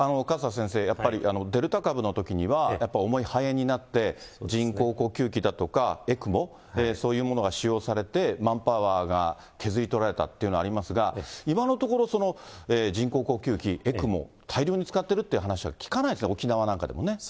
勝田先生、やっぱり、デルタ株のときには、やっぱり重い肺炎になって、人工呼吸器だとか、ＥＣＭＯ、そういうものが使用されて、マンパワーが削り取られたというのがありますが、今のところ、その人工呼吸器・ＥＣＭＯ、大量に使っているという話は聞かないですね、沖縄なんかでもね。